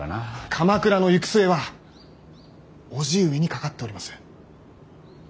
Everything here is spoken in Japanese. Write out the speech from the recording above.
鎌倉の行く末は叔父上にかかっております。